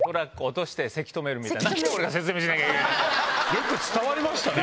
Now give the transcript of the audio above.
よく伝わりましたね。